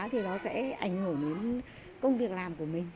thì nó sẽ ảnh hưởng đến công việc làm của mình